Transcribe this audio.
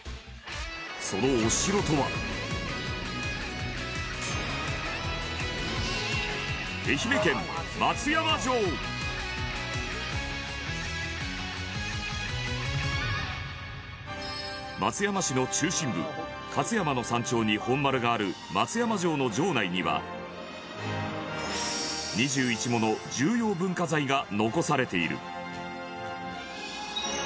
そのお城とは松山市の中心部勝山の山頂に本丸がある松山城の城内には２１もの重要文化財が残されている。